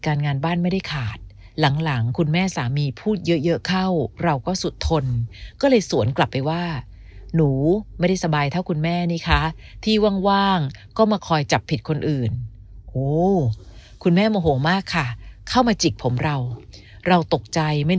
คนก็เลยสวนกลับไปว่าหนูไม่ได้สบายเท่าคุณแม่นี่คะที่ว่างก็มาคอยจับผิดคนอื่นโอ้คุณแม่โมโหมากค่ะเข้ามาจิกผมเราเราตกใจไม่